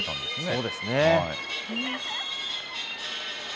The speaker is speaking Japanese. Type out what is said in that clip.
そうですね。